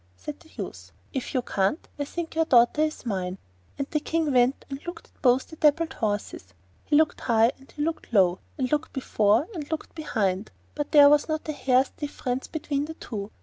said the youth. 'If you can't, I think your daughter is mine.' The King went and looked at both the dappled horses; he looked high and he looked low, he looked before and he looked behind, but there was not a hair's difference between the two.